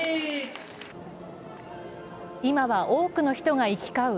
今は多くの人が行き交う